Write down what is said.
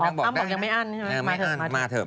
อ้ำบอกยังไม่อั้นใช่ไหม